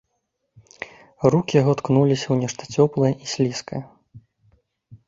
Рукі яго ткнуліся ў нешта цёплае і слізкае.